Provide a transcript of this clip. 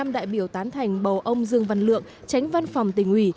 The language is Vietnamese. một trăm linh đại biểu tán thành bầu ông dương văn lượng tránh văn phòng tỉnh ủy